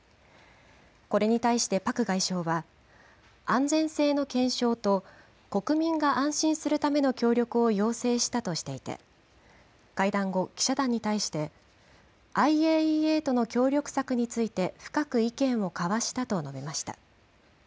これに対してパク外相は、安全性の検証と、国民が安心するための協力を要請したとしていて、会談後、記者団に対して、ＩＡＥＡとの協力策について深く意見を交わしたと述べました。